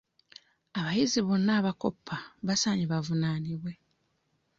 Abayizi bonna abakoppa basaaanye bavunaanibwe.